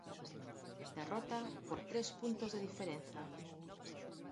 Derrota por tres puntos de diferenza.